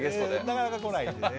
なかなか来ないんでね。